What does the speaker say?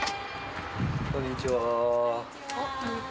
こんにちは。